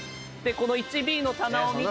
この１Ｂの棚を見て。